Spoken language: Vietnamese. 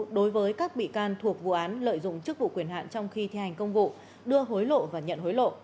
đối với nhóm tội đưa nhận hối lộ